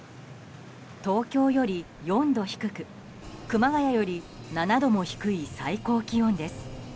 東京より４度低く熊谷より７度も低い最高気温です。